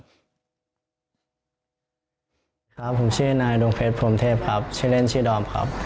ครับผมชื่อนายดวงเพชรพรมเทพครับชื่อเล่นชื่อดอมครับ